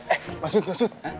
eh mas budi mas budi